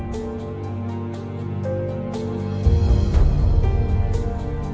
โปรดติดตามต่อไป